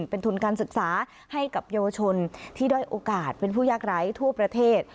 เป็นทุนการศึกษาให้กับเยาวชนที่ด้อยโอกาสเป็นผู้ยากไร้ทั่วประเทศ